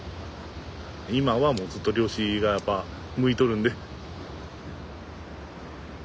今はもうずっと漁師がやっぱ向いとるんで。